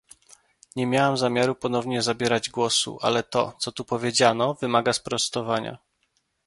Nie miałam zamiaru ponownie zabierać głosu, ale to, co tu powiedziano, wymaga sprostowania